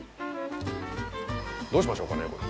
どうしましょうかねこれ。